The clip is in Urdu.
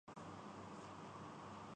پاناما پیپرز کا پارہ اتر رہا ہے۔